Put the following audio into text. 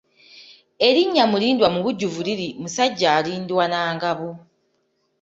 Erinnya Mulindwa mubujjuvu liri Musajja alindwa na ngabo.